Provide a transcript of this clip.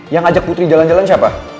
yang ajak putri jalan jalan siapa